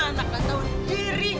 anak anak tahu diri